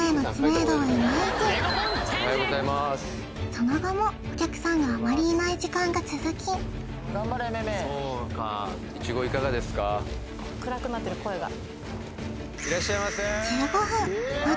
その後もお客さんがあまりいない時間が続きいらっしゃいませー